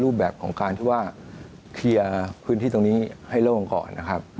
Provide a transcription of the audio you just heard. รูปแบบของการที่ว่าเคลียร์พื้นที่ตรงนี้ให้โล่งก่อนนะครับ